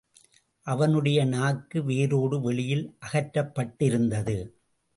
அவனுடைய நாக்கு வேரோடு வெளியில் அகற்றப்பட்டிருந்தது.